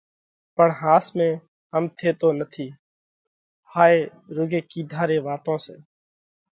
پڻ ۿاس ۾ هم ٿيتو نٿِي، هائي رُوڳي ڪِيڌا ري واتون سئہ۔